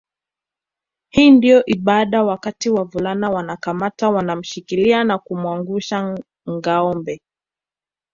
Hii ndio ibada wakati wavulana wanakamata wanamshikilia na kumwangusha ngâombe